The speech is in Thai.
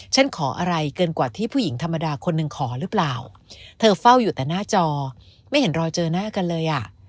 ฉันขออะไรเกินกว่าที่ผู้หญิงธรรมดาคนหนึ่งขอหรือเปล่าเธอเฝ้าอยู่แต่หน้าจอไม่เห็นรอเจอหน้ากันเลยอ่ะ